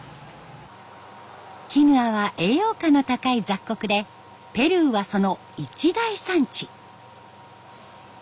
キヌアは栄養価の高い雑穀でペルーはその一大産地。